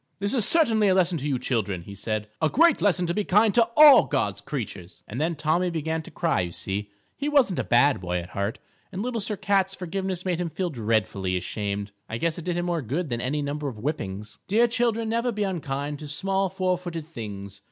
"This is certainly a lesson to you children," he said; "a great lesson to be kind to all God's creatures." And then Tommy began to cry. You see, he wasn't a bad boy at heart, and Little Sir Cat's forgiveness made him feel dreadfully ashamed. I guess it did him more good than any number of whippings. _Dear children, never be unkind To small four footed things.